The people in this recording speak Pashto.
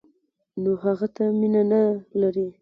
نو هغه ته مینه نه لري.